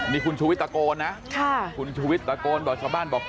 นี่คุณชูวิทยตะโกนนะคุณชุวิตตะโกนบอกชาวบ้านบอก